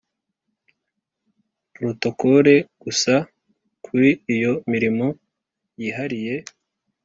Porotokole gusa kuri iyo mirimo yihariye